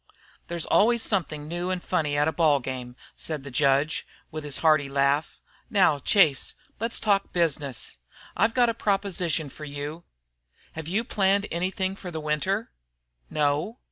"There's always something new and funny at a ball game," said the judge, with his hearty laugh. "Now, Chase, let's talk business. I've got a proposition to make to you. Have you planned anything for the Winter?" "No."